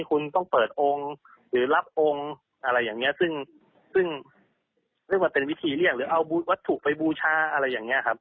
คุณต้องเปิดองค์หรือรับองค์อะไรอย่างนี้ซึ่งซึ่งเรียกว่าเป็นวิธีเรียกหรือเอาวัตถุไปบูชาอะไรอย่างนี้ครับ